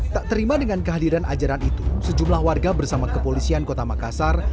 tak terima dengan kehadiran ajaran itu sejumlah warga bersama kepolisian kota makassar